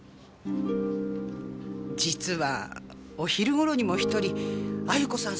実はお昼頃にも１人亜由子さん